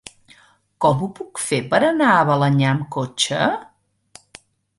Com ho puc fer per anar a Balenyà amb cotxe?